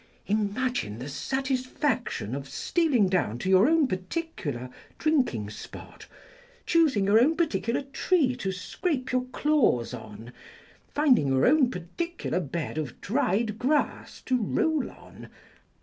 Imagine the satisfaction of stealing down to your own particular drinking spot, choosing your own particular tree to scrape your claws on, finding your own particular bed of dried grass to roll on.